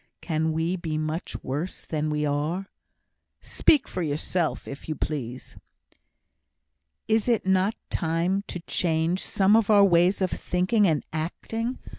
Can we be much worse than we are?" "Speak for yourself, if you please." "Is it not time to change some of our ways of thinking and acting?